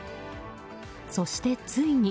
そして、ついに。